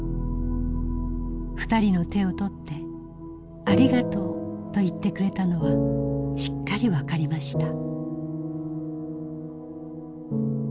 ２人の手を取って『ありがとう』と言ってくれたのはしっかりわかりました」。